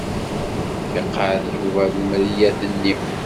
Iqeɛɛed Yuba lemriyat-nni.